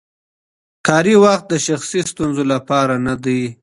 کاري وخت د شخصي ستونزو لپاره نه دی.